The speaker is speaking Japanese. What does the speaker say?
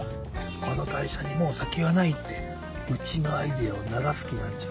この会社にもう先はないってうちのアイデアを流す気なんじゃ。